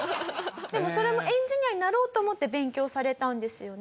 でもそれもエンジニアになろうと思って勉強されたんですよね？